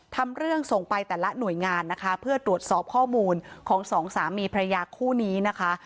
ทำเรื่องส่งไปแต่ละหน่วยงานนะคะเพื่อตรวจสอบข้อมูลของสองสามีพระยาคู่นี้นะคะ